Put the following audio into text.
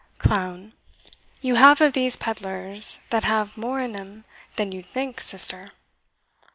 CLOWN. You have of these pedlars, that have more in'em than you'd think, sister.